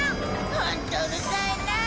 ホントうるさいなあ。